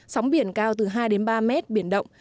sóng biển cao từ hai đến ba mét biển động